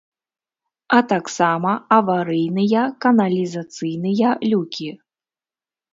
А таксама аварыйныя каналізацыйныя люкі.